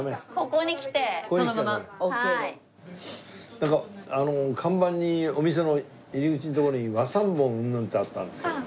なんかあの看板にお店の入り口のとこに和三盆うんぬんってあったんですけども。